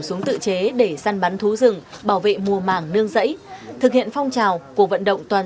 súng tự chế để săn bắn thú rừng bảo vệ mùa màng nương dãy thực hiện phong trào cuộc vận động toàn